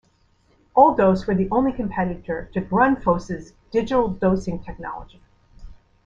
Alldos were the only competitor to Grundfos's 'digital dosing' technology.